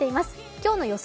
今日の予想